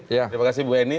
terima kasih bu eni